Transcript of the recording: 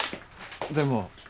でも。